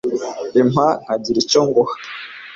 Icyampa nkagira icyo nguha.